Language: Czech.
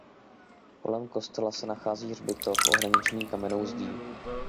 Kolem kostela se nachází hřbitov ohraničený kamennou zdí.